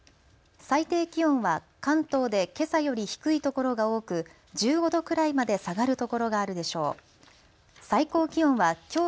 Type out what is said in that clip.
最低気温は関東でけさより低い所が多く１５度くらいまで下がるところがあるでしょう。